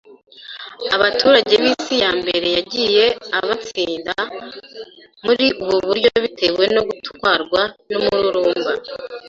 Abaturage b’isi ya mbere yagiye abatsinda muri ubu buryo bitewe no gutwarwa n’umururumba